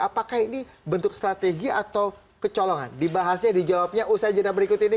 apakah ini bentuk strategi atau kecolongan dibahasnya dijawabnya usai jenah berikut ini